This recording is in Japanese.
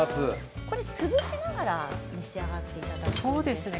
潰しながら召し上がっていただくんですよね。